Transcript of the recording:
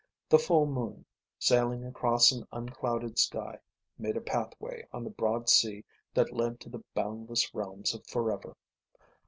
The full moon, sailing across an unclouded sky, made a pathway on the broad sea that led to the boundless realms of Forever.